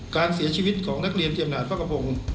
การเสียชีวิตของนักเรียนเตรียมนานพกพงษ์